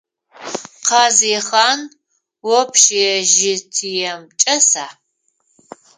Къазихъан общежитием чӏэса?